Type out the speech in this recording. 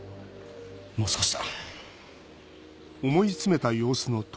もう少しだ。